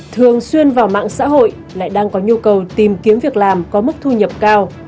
thường xuyên vào mạng xã hội lại đang có nhu cầu tìm kiếm việc làm có mức thu nhập cao